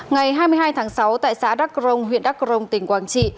ngày hai mươi hai tháng sáu tại xã đắc rồng huyện đắc rồng tỉnh quảng trị